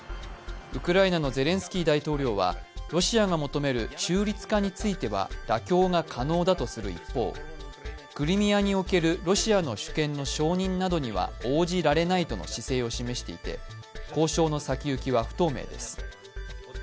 ウクライナのゼレンスキー大統領はロシアが求める中立化については妥協が可能だとする一方クリミアにおけるロシアの主権の承認などには応じられないとの姿勢を示していて交渉の先行きは不透明です。